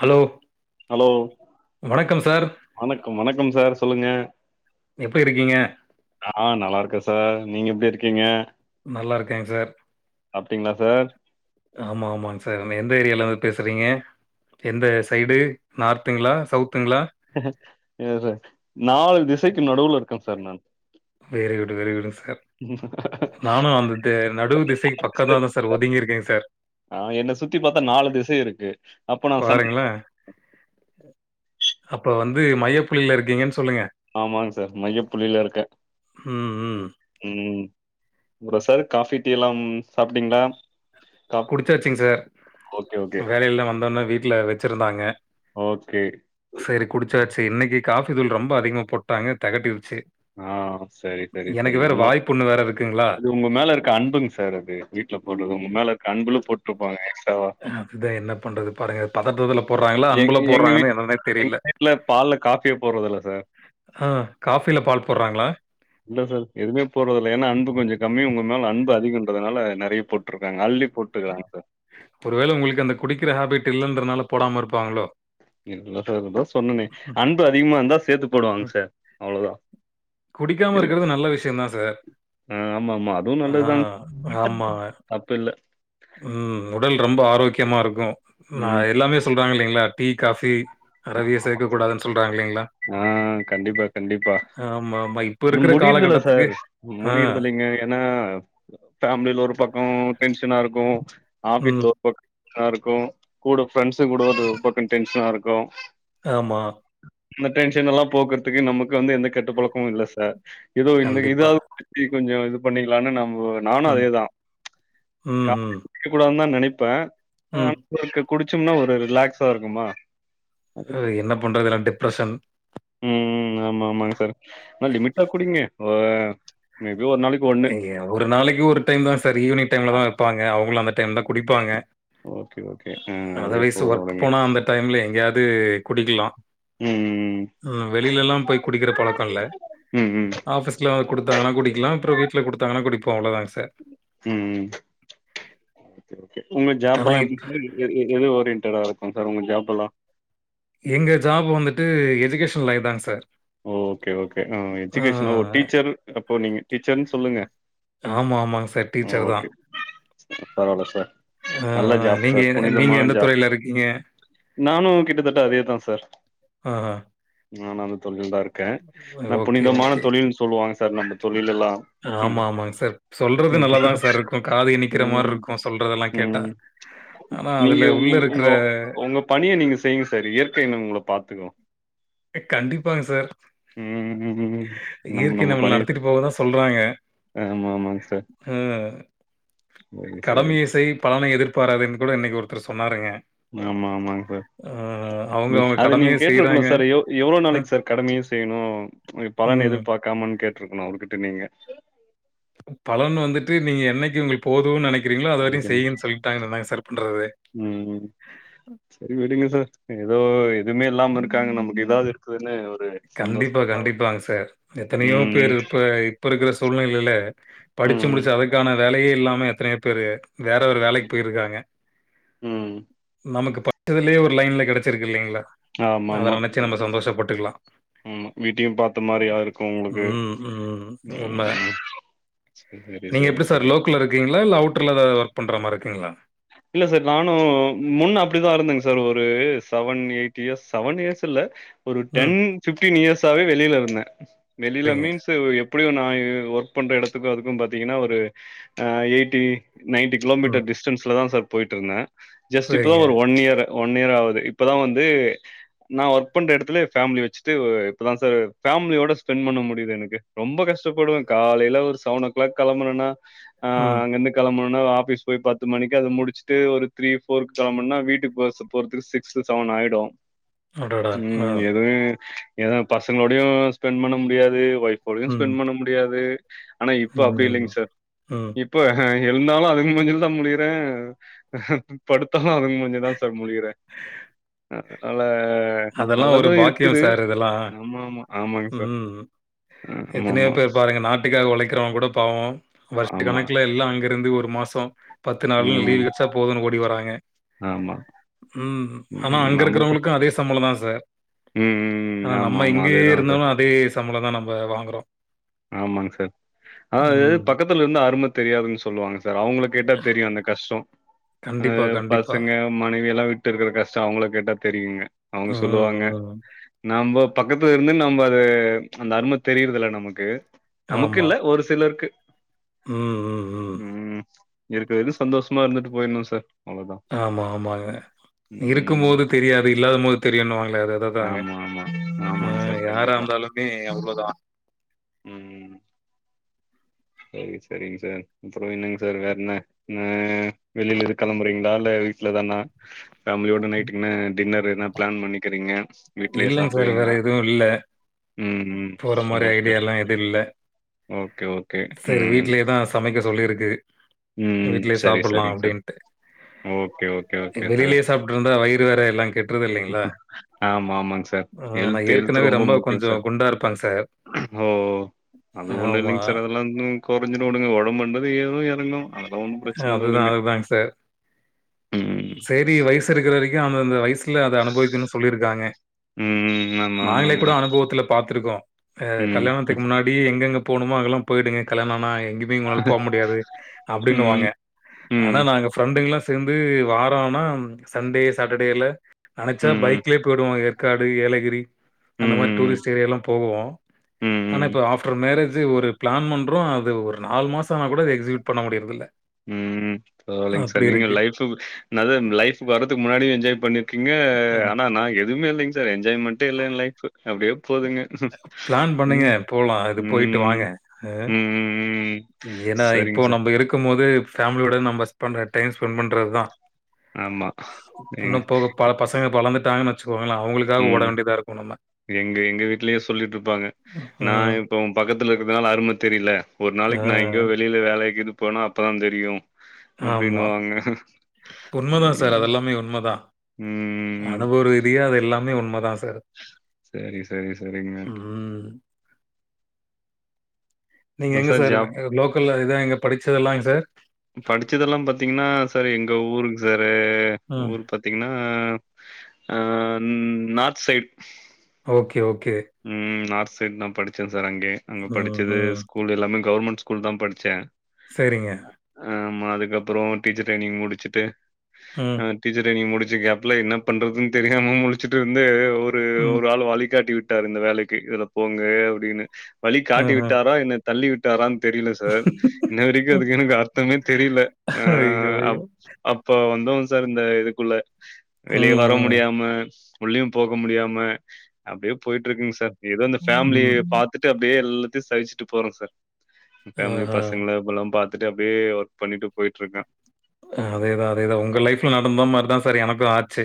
Hello hello வணக்கம் sir. வணக்கம் வணக்கம் சார் சொல்லுங்க எப்போ இருக்கீங்க ஆ நல்லார்க்கே சார் நீங்க எப்டி இருக்கீங்க நல்லார்க்கேங் சார் சாப்ட்டீங்களா சார்? ஆமா ஆமாங் சார் அந்த எந்த ஏரியால வ பேசுறீங்க எந்த சைடு நார்த்துங்ளா சவுத்துங்ளா எ சார் நாலு திசைக்கு நடுவுல இருக்கே சார் நான் வெரி குட்டு வெரி குட்டுங் சார் ம் ஹாஹா நானு அந்த தேர் நடுவு திசைக்கு பக்கதாதா சார் ஒதுங்கிருக்கேங் சார் ஆ என்ன சுத்தி பாத்தா நாலு திசையு இருக்கு அப்ப நா சென் பாருங்களேன்! அப்ப வந்து மையப்புள்ளில இருக்கீங்கன் சொல்லுங்க ஆமாங் சார் மையப்புள்ளில இருக்கே ம் ம் ம் அப்றோ சார் காஃபி டீயலாம் சாப்டீங்ளா? குடிச்சாச்சிங் சார் ஓகே, ஓகே, வேலையல்லா வந்தோனே வீட்ல வெச்சிருந்தாங்க ஓகே செரி குடிச்சாச்சி இன்னைகி காஃபி தூள் ரொம்ப அதிகமா போட்டாங்க தெகட்டிருச்சி ஆ சரி, சரி, எனக்கு சரிங்க. வேற உங்க வாய்ப்புண்ணு வேற இருக்குங்ளா அது உங்க மேல இருக்க அன்புங் சார் அது வீட்லப் போட்றது உங்க மேல இருக்க அன்புல போட் அதுதா என்னப் பண்றது பாருங்க பதட்டத்துல போர்றாங்களா அன்புலப் போர்றாங்கனு என்னனே தெரில இல்ல பால்ல காஃபியே போர்றதில்ல சார். அ காஃபில பால் போர்றாங்ளா இல்ல சார் எதுமே போர்றதில்ல எனா அன்பு கொஞ்சோ கம்மி உங்க மேல அன்பு அதிகன்றதனால நெறையப் போட்ருக்காங்க அள்ளி போட் ட்ருகாங்க சார் ஒருவேள உங்ளுக்கு அந்த குடிக்கிற ஹேஃபிட் இல்லன்றனால போடாம இருப்பாங்களோ இல்ல சார் அதா சொன்னனே அன்பு அதிகமா இந்தா சேத்து போடுவாங்க ம். சார் அவ்ளோதா குடிக்காம இருக்கிறது நல்ல விஷ்யந்தா சார் அ ஆமாமா. அதுவும் அ நல்லதுதாங்க. ஆமா தப்பு இல்ல. ம் உடல் ரொம்ப ஆரோக்யமா இருக்கு நா ம். எல்லாமேச் சொல்றாங்க இல்லீங்ளா டீ காஃபி அறவே சேர்க்கக் கூடாதுன் சொல்றாங்க இல்லீங்ளா ஆ கண்டிப்பா கண்டிப்பா ஆமாமா. இப்ப இன்னும் இருக்கிற முடிர்தில்ல காலகட்டத்துக்கு சார் ஆ. முடிர்தில்லங்க எனா ஃபேமிலில ஒரு பக்கோ டென்ஷனா இருக்கு ம். ஆபிஸ்ல பக் காருக்கு கூட ப்ரெண்ட்ஸ்ங் கூட ஒரு பக்க டென்ஷனா இருக்கு ஆமா அந்த டென்ஷனெல்லா போக்குறதுக்கு நமக்கு வந்து எந்த கெட்டு பழக்கமு இல்லை சார் ஏதோ இந்த கண்டிப்பா. இதாவது ப்படி கொஞ்சோ இது பண்ணிக்கலானு நம்ம நானு ம். அதேதா கா ம்ஹ்ம். க்க கூடாதுனு தா நினைப்பே ம். ஆனா குடிச்சோம்னா ஒரு ரிலாக்ஸா இருக்குமா அது ஆ என்ன பண்ணுறது எல்லா டிப்ரெஷன் ம் ஆமா ஆமாங்க சார் லிமிட்டா குடிங்க மேபி ஒரு நாளைக்கு இங்கயே ஒரு நாளைக்கு ஒரு டைம் தா சார் ஈவினிங் டைம்ல தா வைப்பாங்க அவங்களு அந்த டைம் தா குடிப்பாங்க. ஓகே ஓகே ஆ அதே அதர்வைஸ் போத ஒர்க் உடுங்க போனா அந்த டைம்ல எங்கேயாவது குடிக்கலா ம் ம் வெளியிலல்லா போய் குடிக்கிற பழக்க இல்ல ம் ம் ஆபிஸ்ல குடுத்தாங்கன்னா குடிக்கலா அப்றொ வீட்ல குடுத்தாங்கன்னா குடிப்போ அவ்வளோதங் சார் ம் ஓகே ஓகே உங்க ஆனா ஜாப்லா இப் எப்படி எ எது ஓரியன்டடா இருக்கு சார் உங்க ஜாப்லா எங்க ஜாப் வந்துட்டு எஜுகேஷன் லைன்தாங்க சார். ஓகே ஓகே ம் ஆ எஜுகேஷனா ஒரு டீச்சர் அப்போ நீங்க டீச்சர்ன்னு சொல்லுங்க. ஆமா ஆமாங் சார் ம் டீச்சர் தா ஓகே பரவால்ல சார் ஆ நல்ல ஜாப் நீங்க சார் என் நீங்க புனிதமான எந்த ஜாப் துறையில இருக்கீங்க நானு கிட்டத்தட்ட அதேதா சார் ஆஹா. நானு அந்த தொழில தா இருக்கே கே ஆனா ஓகே, புனிதமான ஓகே. தொழில்னு சொல்லுவாங்க சார் நம்ம தொழிலெல்லா ஆமா ஆமாங்க சார் சொல்றது நல்லாதா சார் இருக்கு காது இனிக்கிற மாதிரி ம் இருக்கு சொல்றதெல்லா கேட்டா. ம் ஆனா நீங்க அதுல உள்ள உங் இருக்கற உங்க உங்க பணிய நீங்க செய்யுங்க சார் இயற்கைன்னு உங்கள பாத்துக்கு கண்டிப்பாங்க சார் ம் ம் ம் இயற்கை நம்ம நடத்திட்டு போக தா சொல்றாங்க ஆமாமாங்க சார் ம். செரி செரி பலன எதிர்பாராதிங்ன்னு கூட இன்னைக்கு ஒருத்தர் சொன்னாருங்க ஆமா ஆமாங் சார் அ அவங்க, நீங் அவங்க அது கடமைய நீங்க கேட்டிருக்கணு செய்றாங்க. சார் யோ எவ்ளோ அ, நாளைக்கு சார் கடமையையு செய்யணு பலனு ம். எதிர்பார்க்காமனு கேட்டிருக்கணு அவர்கிட்ட நீங்க பலன் வந்துட்டு நீங்க என்னைக்கு உங்கள்க்கு போதுனு நெனைக்கிறீங்களோ அது வரையு அஞ்சு நிமிஷ செய்யுன்னு சொல்லிட்டாங்கனா என்னாங் சார் பண்றது ம் சரி விடுங்க சார் ஏதோ எதுமே இல்லாம இருக்காங்க நமக்கு இதாவது இருக்குதுன்னு ஒரு கண்டிப்பா சந்தோஷப்படலாம் விடுங்க கண்டிப்பாங்க சார் எத்தனையோ ம் பேர் இப்ப இப்ப இருக்கிற சூழ்நிலையில படிச்சு ம் முடிச்சு அதுக்கான வேலையே இல்லாம எத்தனையோ பேரு வேற ஒரு வேலைக்கு போயிருக்காங்க ம் ம் நமக்கு ப படுச்சதுலயே ஒரு லைன்ல கிடைச்சிருக்கு இல்லைங்களா அதை நினைச்சு நம்ம சந்தோஷப்பட்டுக்கலா ம் வீட்டையு பார்த்த மாதிரியா இருக்கு உங்களுக்கு ம், ம். உண்ம. ம் சரி நீங்க சரி எப்படி சரி சார் லோக்கல்ல இருக்கீங்களா இல்ல அவுட்டர்ல ஒர்க் பண்ற மாதிரி இருக்கீங்களா இல்ல சார் நானு முன்ன அப்படிதா இருந்தங் சார் ஒரு seven eight years seven years இல்ல ஒரு ம். டென் ஃபிப்டீன் இயர்ஸ் ஆவது வெளியில இருந்தே வெளியில சரிங்க. மீன்ஸ் எப்படியு நா ஒர்க் பண்ற இடத்துக்கு அதுக்கு பா்த்தீங்கன்னா ஒரு எயிட்டி நைன்டி ம். கிலோமீட்டர் டிஸ்டன்ஸ்ல தா சார் போயிட்டு இருந்தே ஜஸ்ட்டு இப்பதா சரிங்க. ஒரு ஒன் இயரு ஒன் இயர் ஆவுது இப்பதா வந்து நா ஒர்க் பண்ற எடத்துலயே எ ஃபேம்லி வச்சுட்டு இப்பதா சார் ஃபேம்லியோட ஸ்பென்ட் பண்ண முடிது எனக்கு ரொம்ப கஷ்டப்படுவே காலைல ஒரு செவன் ஓ கிளாக் கெளம்புனனா ஆ ம். அங்கந்து கெளம்புனோன ஒரு ஆஃபிஸ் போய் பத் து மணிக்கு அத முடிச்சுட்டு ஒரு த்ரீ ஃபோருக்கு கெளம்பன்னா வீட்டுக் பஸ்ஸு போறதுக்கு சிக்ஸ் டூ செவனாயிடு அடடா! ஆ. ம் எது எது பசங்களோடயு ஸ்பென்ட் பண்ண முடியாது ஒய்ஃப்ஃபோடயு ம். ஸ்பென்ட் பண்ண முடியாது ஆனா இப்ப அப்டி ம். இல்லைங் சார் ம். இப் ப எழுந்தாலு அதுங்க மூஞ்சுல தா முழிக்றே படுத்தாலு அதுங்க மூஞ்ச தா சார் முழிறே அதனால அதெல்லாம் ஒரு நல்லது பாக்கியம் இருக்குது சார் இதெல்லாம். ஆமாமா ஆமாங் சார் அ எத்தனயோ ஆமாமா. பேர் பாருங்க நாட்டுக்காக ஒழைக்கிறோங்க கூட பாவோ வர்ஷ ஆமா. கணக்ல எல்லா அங்கருந்து ஒரு மாசோ பத்து நாள்னு ம். லீவ் கெடச்சா போதுன் ஓடி வராங்க ஆமா. ம் ஆனா ம் அங்க நமக்கு இருக்றவங்களுக்கு அதே சம்பளோ தா சார் ம், ம். ஆனா நம்ம ஆமாமா. இங்கயே அதேதான் இருந்தாலு சார். அதே சம்பளோ தா நம்ப வாங்குறோ ஆமாங் சார் அதாவ்து பக்கத்துலருந்தா அரும தெரியாதுன் சொல்லுவாங்க சார் அவுங்கள கேட்டா தெரியு அந்த கஷ்டோ கண்டிப்பா கண்டிப்பா ஆ மனைவியெல்லா விட்டு இருக்ற கஷ்டோ அவுங்கள கேட்டா தெரியுங்க அவுங்க ம், சொல்லுவாங்க ம். நாம்ப பக்கத்துலருந்து நம்ப அது அந்த அரும தெரிறதில்ல நமக்கு நமக்கு ஆமா. இல்ல ஒரு சிலர்க்கு ம் ம் ம் இருக்க வரைலு சந்தோஷமா இருந்துட்டு போய்ர்னு சார் அவ்வளோதான். ஆமா ஆமாங்க ம். இருக்கும்போது தெரியாது இல்லாதம்போது தெரியுன்வாங்ளே அத அத தாங்க ஆமா ஆமா ஆமாங் சார் கண் யாராருந்தாலுமே அவ்ளதா ம் சேரி செரிங் சார் அப்றோ என்னங் சார் வேறென்ன ன்ன வெளில எது கெளம்புறிங்ளா இல்ல வீட்ல தானா ஃபேம்லியோட நைட்டுக்கு என்ன டின்னரு என்ன பிளான் பண்ணிக்கிறீங்க வீட்லயே இல்லைங்க சார். வேற சாப்டுவீங்ளா எதுவும் இல்ல. ம் ம் போற மாரி ஓகே ஓகே ஓகே சார் ம் வீட்லேதா சமைக்க சொல்லிருக்கு ம் வீட்லே சரி சாப்புலா சரிங்க சார் அப்டின்ட்டு ஓகே ஓகே ஓகே சார் வெளிலயே சாப் ட்ருந்தா வயிறு வேற எல்லா கெட்ருது இல்லைங்ளா ஆமாமாங் சார் எல்த்து எல்த்து ஏற்கனவே ரொம்ப முக்கியோ கொஞ்சம் சார் குண்டா இருப்பேங்க சார். ஓ அது ஒண்ணு ஆமா. இல்லைங் சார் அதெல்லா ம் கொறஞ்சிடு வுடுங்க ஒடம்புன்றது ஏறு எறங்கு அதெல்லா ஒன்னு பிரச்சன இல்ல அதுதா விடுங்க அதுதாங் சார் ம் சேரி வய்சுருக்கற வரைக்கு அந்தந்த வய்சுல அத அனுபவிக்கனு சொல்லிருக்காங்க ம் ஆமா நாங்ளே ஆமாங்க கூட அனுபவத்துல பாத்திருக்கோ ஆ ம் கல்யாணத்துக்கு முன்னா டி எங்கெங்க போனுமோ அங்கல்லா போய்டுங்க கல்யாணோ ஆனாய் எங்கிமே உங்ளால போ முடியாது அப் டின்னுவாங்க ம் ஆனா நா ம் நாங்க ஃப்ரெண்டுங்ல்லா சேந்து வாரோ ஆனா சண்டே சாட்டர் டேல நெனச்சா ம் பைக்லே போய்டுவோ ஏற்காடு ஏலகிரி அந்த மாரி ம் டூரிஸ்ட் ஏரியாலா போவோ ஆனா ம் இப்ப ஆஃப்ரு மேரேஜு ஒரு பிளான் பண்றோ அது ஒரு நாலு மாசோ ஆனா கூட அத எக்ஸிக்யூட் பண்ண முடி இல்ல ம் பரவாலைங் சார் நீங்க லைஃப்பு என்னாது லைஃபுக்கு வர்றதுக்கு முன்னாடியு என்ஜாய் பண்ணிருக்கீங்க ஆமா. ஆனா நா எதுமே இல்லைங்க சார் என்ஜாய்மெண்டே இல்ல எ லைஃப் அப்டியே போதுங்க ம் மா அது போய்ட்டு வாங்க ம் அ ம். ஏனா இப்போ சரிங்க சார். நம்ம இருக்கு போது ஃபேமிலியோட நம்ம ஸ் பண்ற டைம் ஸ்பெண்ட் பண்றத்தா ஆமா. இன்னு எங்க போக ப பசங்க வளந்துட்டாங்கன் வச்சுக்கோங்களே அவுங்களுக் ம் எங்க எங்க வீட்லயு சொல்லிட்ருப்பாங்க நா ம். இப்போ ஒ பக்கத்துல இருக்கதுனால அரும தெரில ஒரு ஆ. நாளைக்கு நா எங்கயோ வெளில வேலக்கி இது போனா அப்ப தா தெரியு அப்டினுவாங்க உண்மதா சார் அதெல்லாமே உண்மதா ம். அனுபவ ரீதியா அது எல்லாமே உண்மதா சார் செரி செரி செரிங்க ம் நீங்க இல்ல எங்க சார் ஜாப் லோக்கல்ல இதா எங்க படுச்சதெல்லாங் சார் படுச்சதெல்லா பாத்தீங்கன்னா சார் எங்க ஊருங்கு சாரு ம். ஊரு பத் பாத்திங்னா அ நார்த் சைட் ஓகே ஓகே ம் நார்த் சைட் நா படுச்சே சார் அங்கயு அங்க ம், படுச்சது ம். ஸ்கூல் எல்லாமே கவுர்மண்ட் ஸ்கூல் தா படுச்சே சேரிங்க ஆ ஆமா அதுக்கப்பறோ டீச்சர் ட்ரைனிங் முடுச்சுட்டு ம், அ டீச்சர் ட்ரைனிங் முடுச்ச கேப்ல என்னா பண்றதுன் தெரியாம முழுச்சுட் இருந்து ஒரு ம். ஒரு ஆளு வழிகாட்டி வி விட்டாரு இந்த வேலைக்கு இதுல போங்க அப்டீனு வழி காட்டி ம்ஹ்ம். விட்டாரா என்ன தள்ளி விட்டாரான் தெரில சார் இன்ன வரைக்கு அதுக்கு எனக்கு அர்த்தமே தெரில ஐயோ! அ ஐயோ! அப்ப வந்தவன் சார் இந்த இதுக்குள்ள வெளிய ம், வர ம். முடியாம உள்ளயு போக முடியாம அப்டியே போய்ட்ருக்குங் சார் எதோ இந்த ஃபேமிலிய ம். பாத்துட் டு அப்டியே எல்லாத்தையு சகிச்சுட்டு போற சார் பேமிலி ஆஹா. பசங்கள இவுங்கல்லா பாத் துட்டு அப்டியே ஒர்க் பண்ணிட்டு போய்ட்ருக்கே ஆ அதேதா அதேதா ஒங்க லைஃப்ல நடந்த மாரிதா சார் எனக்கு ஆச்சு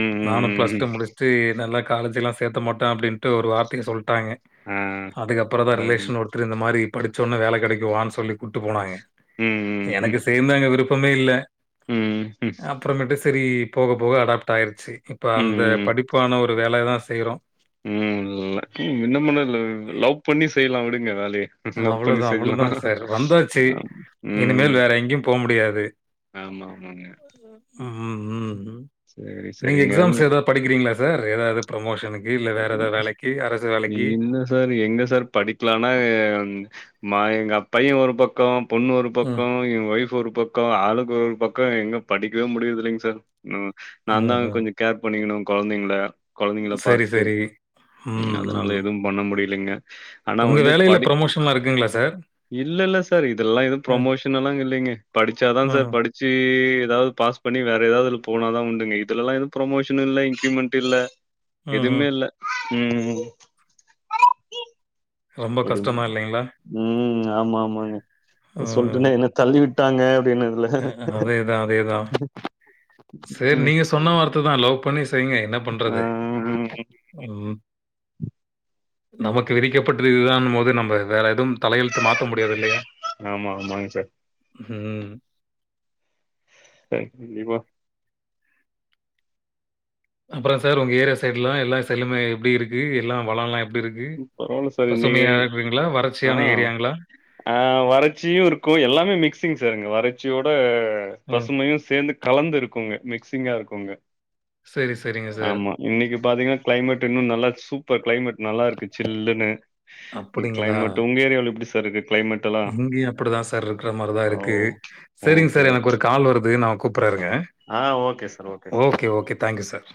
ம் ம் நானு ப்ளஸ் டூ ம். முடுஸ்ட்டு என்னல்லா காலேஜெலாம் சேத்த மாட்டே அப்டின்ட்டு ஒரு வார்த்தய சொல்ட்டாங்க ஆ. அதுக்கப்பற தா பாருங்க. ரிலேஷன் ஒருத்ரு இந்த மாரி படுச்சோனே வேல கெடைக்கு வான்னு சொல்லி கூட்டு போனாங்க ம், ம், ம். எனக்கு சேந்து அங்க விருப்பமே இல்ல ம் ம் அப்புறமேட்டு சரி போக போக அடாப்ட் ஆய்றுச்சு இப்போ அந்த ம். படிப்பான ஒரு வேலைய தா செய்றோ ம் லக்கி இன்ன மன்னல லவ் பண்ணி செய்லா விடுங்க வேலைய லவ் பண்ணி அவ்வளோதான், செய்லா அவ்வளோதான் சார். வந்தாச்சு. அ ம் இனிமேல் ம் வேற எங்கேயும் போ முடியாது. ஆமா ஆமாங்க ம் ம் ம் ம் சேரி நீங்க எக்ஸாம்ஸ் ஏதாவது படிக்கிறீங்ளா சார் ஏதாவது ப்ரோமோஷனுக்கு இல்ல வேற ஏதா வேலைக் இல்ல சார் எங்க சார் படிப்லனா மா எங்க பையே ஒரு பக்கோ பொண்ணு ஒரு ம். பக்கோ ஏ ஒய்ஃப் ஒரு பக்கோ ஆளுக்கு ஒரு ஒரு பக்கோ எங்க படிக்கவே முடியுறதில்லைங் சார் நா நாந்தா ஓஹோ! கொஞ்சோ கேர் பண்ணிக்கணு கொழந்திங்ள கொழந்திங்கள சரி, பாத்துட்டு சரி. ம் அதுனால எதுவு பண்ண முடியலிங்க ஆனா வந்து படித் க்ளாஸ்ச இல்ல இல்ல சார் இதெல்லா எதுவு ப்ரொமோஷனல்லா இங்க இல்லிங்க படிச்சாதா சார் ம்ஹ்ம். படிப் ச்சு எதாவது பாஸ் பண்ணி வேற எதாவது போனாதா உண்டுங்க இதுலல்லா எதுவு ப்ரமோஷனு இல்ல இன்கிரிமெண்ட்டு இல்ல ம்ஹ்ம். எதுவுமே இல்ல ம் ம் ரொம்ப எதுவுமே கஷ்டமா இல்லைங்களா? ம் ம் ஆமா ஆமாங்க ம். சொல்ட்டனே என்ன தள்ளி விட்டாங்க அப்டின்னு அ அ அதேதா அதேதா சேர் ம். நீங்க சொன்ன வார்த்ததா லவ் பண்ணி செய்ங்க என்ன ஆ. பண்றது ம். ம். நமக்கு விதிக்கப்பட்டது இதுதான்னும் போது நம்ம வேற எதுவும் தலையெழுத்து மாத்த முடியாது இல்லையா ஆமா ஆமாங்க சார் ஹும் சரி இவ அப்பறோ சார் உங்க ஏரியா சைட்லா எல்லா செழுமையா எப்டி இருக்கு எல்லாம் வளோல்லா எப் எப்டிருக்கு பரவால்ல சார் நீங்க பசுமையா இருக்குங்ளா வறட்சியான ஏரியாங்களா அ வறட்சியு இருக்கு எல்லாமே மிக்சிங் சார் அங்க வறட்சியோட ம். பசுமையு சேர்ந்து கலந்து இருக்குங்க மிக்சிங்கா இருக்குங்க சரி, சரிங்க சார். ஆமா இன்னைக்கு பாத்தீங்கன்னா க்ளைமேட் இன்னு நல்லா சூப்பர் க்ளைமேட் நல்லா இருக்கு சில்லுன்னு இன்னைக்கு அப்புடிங்களா கிளைமேட். உங்க ஏரியாவுல எப்படி சார் இருக்கு கிளைமேட் எல்லாம்? இங்கயு அப்புடிதா சார் இருக்குற மாரிதா ஓ! இருக்கு செரிங்க ஓகே, சார் எனக்கு ஓகே. ஒரு கால் வருது நா கூப்புட்றே இருங்க ஆ okay sir okay sir thank you sir